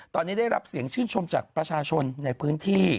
ตอนนี้ได้รับเสียงชื่นชมจากประชาชนในพื้นที่